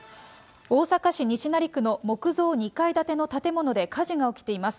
大阪市西成区の木造２階建ての建物で火事が起きています。